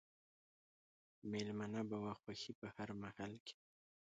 مېلمنه به وه خوښي په هر محل کښي